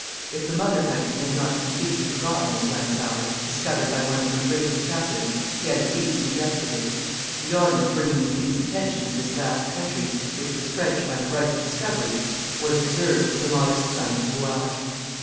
If the mother country had not completely forgotten this land of ours, discovered by one of her greatest captains, she had, at least, neglected it. The honour of bringing the king's attention to this vast country, which was French by the right of discovery, was reserved for the modest son of Brouage.